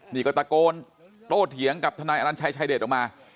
นี่ก็ตะโกนโตเถียงกับทนายอนัญชัยชายเดชออกมา